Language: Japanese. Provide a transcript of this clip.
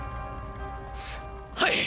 はい！